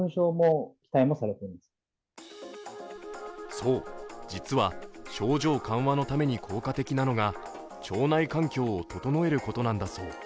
そう、実は症状緩和のために効果的なのが腸内環境を整えることなんだそう。